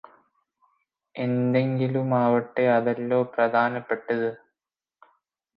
എന്തെങ്കിലുമാവട്ടെ അതല്ലാ പ്രധാനപെട്ടത്